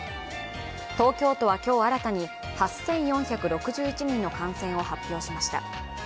東京都は今日新たに８４６１人の感染を発表しました。